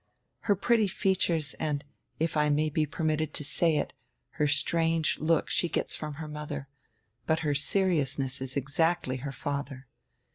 Her pretty features and, if I may be permitted to say it, her strange look she gets from her mother, hut her seriousness is exactly her father.